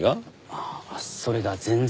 ああそれが全然。